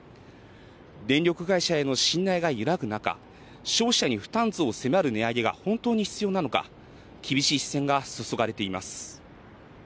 電力会社への信頼が揺らぐ中、消費者に負担増を迫る値上げが本当に必要なのか厳しい視線が注がれています。